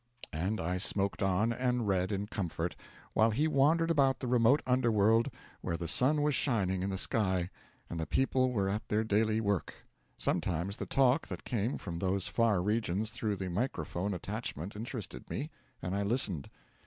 And I smoked on, and read in comfort, while he wandered about the remote underworld, where the sun was shining in the sky, and the people were at their daily work. Sometimes the talk that came from those far regions through the microphone attachment interested me, and I listened.